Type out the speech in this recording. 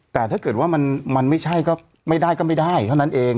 แต่ถ้าเกิดว่ามันไม่ใช่ก็ไม่ได้ก็ไม่ได้เท่านั้นเอง